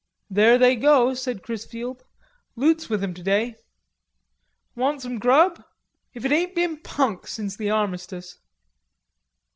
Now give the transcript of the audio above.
"There they go," said Chrisfield. "Loot's with 'em today.... Want some grub? If it ain't been punk since the armistice."